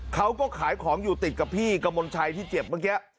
เขาก็ขายของอยู่ติดกับพี่กระมวลชัยที่เจ็บเมื่อกี้